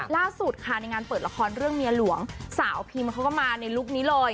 ล่าสุดค่ะในงานเปิดละครเรื่องเมียหลวงสาวพิมเขาก็มาในลุคนี้เลย